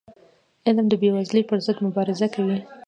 علم د بېوزلی پر ضد مبارزه کوي.